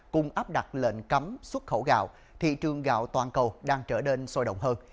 cùng áp đặt lệnh cấm xuất khẩu gạo thị trường gạo toàn cầu đang trở nên sôi động hơn